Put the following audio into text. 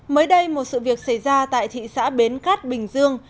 mới đây một sự việc xảy ra tại thị xã bến cát bình dương